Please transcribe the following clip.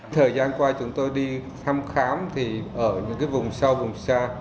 thời gian qua chúng tôi đi thăm khám thì ở những cái vùng sâu vùng xa